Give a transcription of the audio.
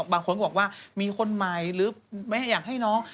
บางคนก็บอกว่ามีคนใหม่หรือไม่อยากให้น้อง